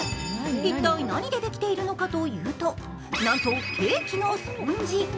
一体何でできているのかというとなんとケーキのスポンジ。